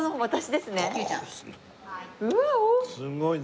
すごい！